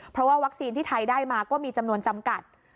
เพราะว่าวัคซีนที่ไทยได้มาก็มีจำนวนจำกัด